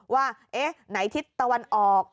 ว่าไหนธิตวันออก